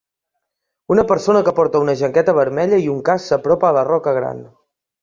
Una persona que porta una jaqueta vermella i un casc s'apropa a la roca gran.